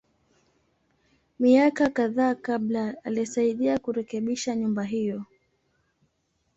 Miaka kadhaa kabla, alisaidia kurekebisha nyumba hiyo.